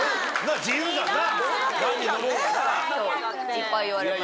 いっぱい言われました。